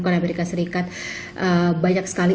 karena amerika serikat banyak sekali